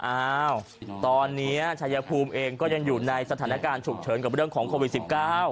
อ้าวตอนนี้ชายภูมิเองก็ยังอยู่ในสถานการณ์ฉุกเฉินกับเรื่องของโควิดสิบเก้า